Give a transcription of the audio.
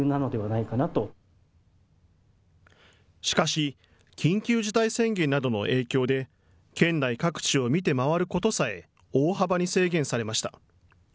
しかし緊急事態宣言などの影響で県内各地を見て回ることさえ大幅に制限されました。